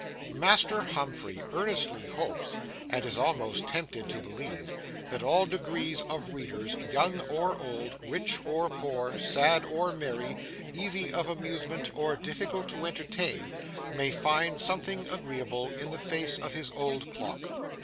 Master Humphrey earnestly hopes, (and is almost tempted to believe,) that all degrees of readers, young or old, rich or poor, sad or merry, easy of amusement or difficult to entertain, may find something agreeable in the face of his old clock.